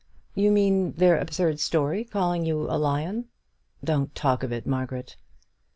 "You mean their absurd story calling you a lion." "Don't talk of it, Margaret."